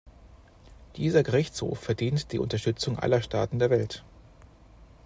Dieser Gerichtshof verdient die Unterstützung aller Staaten der Welt.